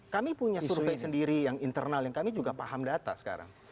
kami punya survei sendiri yang internal yang kami juga paham data sekarang